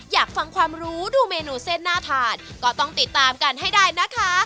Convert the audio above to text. อยากฟังความรู้ดูเมนูเส้นน่าทานก็ต้องติดตามกันให้ได้นะคะ